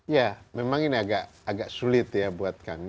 ya memang ini agak sulit ya buat kami